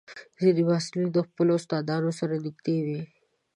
ځینې محصلین د خپلو استادانو سره نږدې وي.